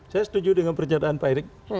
saya setuju dengan pernyataan pak erick